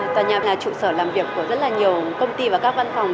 tòa nhà là trụ sở làm việc của rất là nhiều công ty và các văn phòng